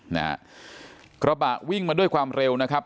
นะฮะกระบะวิ่งมาด้วยความเร็วนะครับ